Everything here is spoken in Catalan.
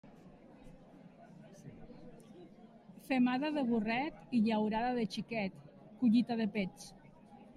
Femada de burret i llaurada de xiquet, collita de pets.